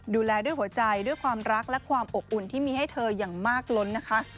ดูแลด้วยหัวใจด้วยความรักและความอบอุ่นที่มีให้เธออย่างมากล้นนะคะ